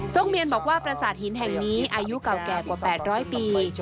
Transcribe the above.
เมียนบอกว่าประสาทหินแห่งนี้อายุเก่าแก่กว่า๘๐๐ปี